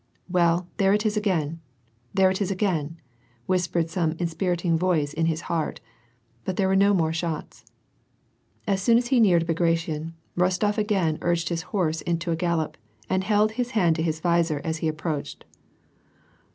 " Well, there it is again,, there it is again," whispered some inspiriting voice in his heart. But there were no more shots. As soon as he neared Bagration, Rostof again urged his horse to a gallop, and held his hand to his visor as he ap approached.